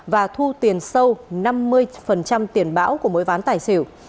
và thu tiền sâu năm mươi tiền bão của mỗi ván tài xỉu